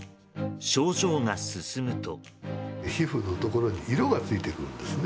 症状が進むと。